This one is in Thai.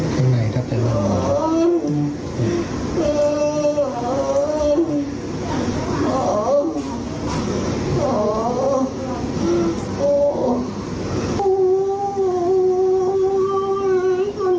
ใบออกนิดนึง